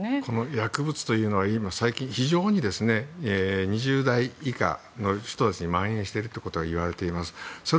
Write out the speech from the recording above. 薬物というのは非常に２０代以下の人たちに蔓延しているということがいわれています。